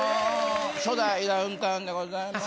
初代ダウンタウンでございます。